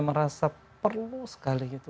merasa perlu sekali itu